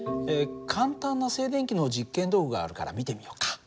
簡単な静電気の実験道具があるから見てみようか。